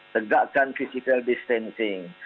tegakkan physical distancing